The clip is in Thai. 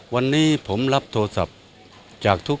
วันนี้ผมรับโทรศัพท์